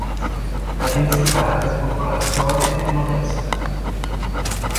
La densità della popolazione è modesta.